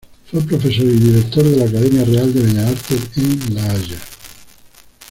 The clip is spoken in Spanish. Fue profesor y director de la Academia Real de Bellas Artes en La Haya.